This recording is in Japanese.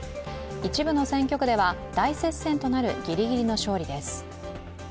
一部の選挙区では大接戦となるぎりぎりの勝利です。